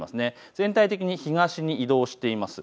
全体的に東に移動しています。